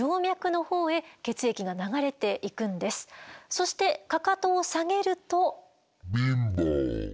そしてかかとを下げると。